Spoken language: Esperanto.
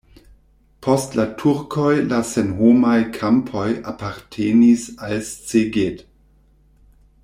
Post la turkoj la senhomaj kampoj apartenis al Szeged.